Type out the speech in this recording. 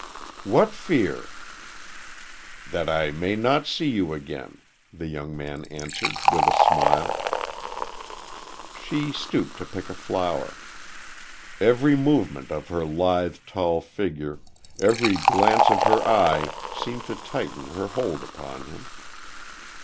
"What fear?" "That I may not see you again," the young man answered, with a smile. She stooped to pick a flower. Every movement of her lithe, tall figure, every glance of her eye seemed to tighten her hold upon him.